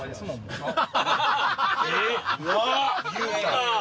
言うた。